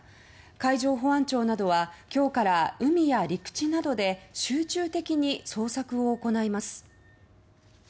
海上保安庁などは今日から海や陸地などで集中的に捜索を行います。